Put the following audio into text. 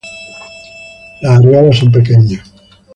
Las areolas son pequeñas.